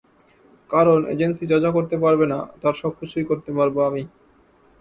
কারণ এজেন্সি যা যা করতে পারবে না, তার সবকিছুই করতে পারব আমি।